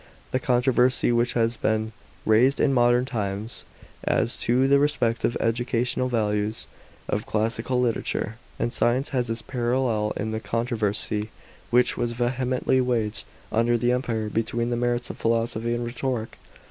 The controversy which has been raised in modern times as to the respective educational values ot classicaj literature and science has its parallel in the controversy which was vehemently waged under the Empire between the merits of philosophy and rhetoric.